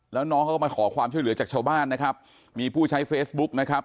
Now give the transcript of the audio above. แล้วน้องเขาก็มาขอความช่วยเหลือจากชาวบ้านนะครับมีผู้ใช้เฟซบุ๊กนะครับ